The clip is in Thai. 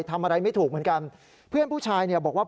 ทำอะไรไม่ถูกเหมือนกันเพื่อนผู้ชายเนี่ยบอกว่า